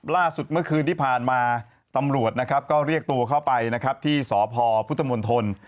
ล่าสุดเมื่อคืนที่ผ่านมาตำรวจนะครับก็เรียกตัวเข้าไปนะครับที่สพพุทธมนตร